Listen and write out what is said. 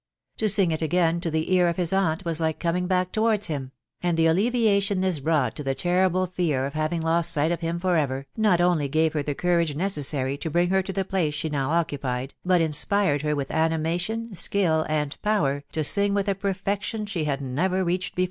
To sing it again to the ear of his aunt was like coming back towards him ; and die alleviation this brought to the terrible fear of having lost sight of him for ever, not only 320 THE WIDOW BARHABT* • gave her the courage necessary to bring her to the place fc' now occupied, but inspired her with animation, skill, ni power, to sing with a perfection she had never reached hefta.